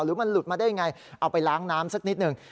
หรือมันหลุดมาได้ยังไงเอาไปล้างน้ำสักนิดหนึ่ง